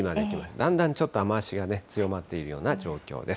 だんだんちょっと雨足が強まっているような状況です。